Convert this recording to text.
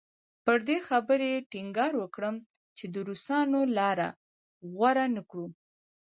پر دې خبرې ټینګار وکړي چې د روسانو لاره غوره نه کړو.